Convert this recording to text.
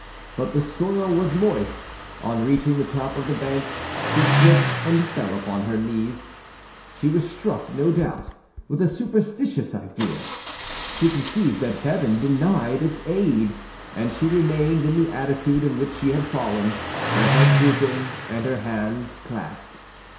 But the soil was moist; on reaching the top of the bank, she slipped and fell upon her knees. She was struck, no doubt, with a superstitious idea; she conceived that heaven denied its aid, and she remained in the attitude in which she had fallen, her head drooping and her hands clasped.